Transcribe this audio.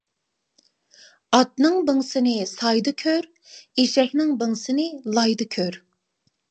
ئاتنىڭ بىڭسىنى سايدا كور، ئېشەكنىڭ بىڭسىنى لايدا كۆر.